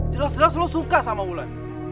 jelas jelas lo suka sama wulan